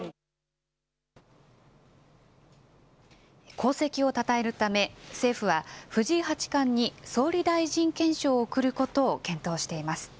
功績をたたえるため、政府は、藤井八冠に総理大臣顕彰を贈ることを検討しています。